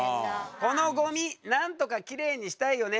このごみなんとかきれいにしたいよね。